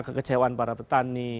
kekecewaan para petani